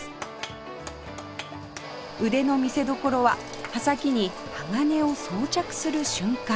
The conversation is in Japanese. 腕の見せどころは刃先に鋼を装着する瞬間